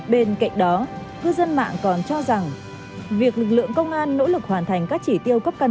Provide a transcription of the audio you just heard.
bên cạnh đó cư dân mạng còn cho rằng việc lực lượng công an nỗ lực hoàn thành các chỉ tiêu cấp căn